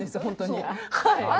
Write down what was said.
本当に。